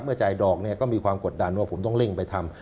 จ่ายดอกเนี่ยก็มีความกดดันว่าผมต้องเร่งไปทำ